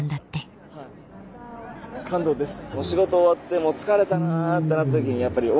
感動です。